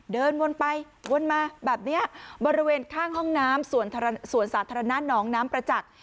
เดินวนไปวนมาแบบนี้บริเวณข้างห้องน้ำสวนสาธารณะหนองน้ำประจักษ์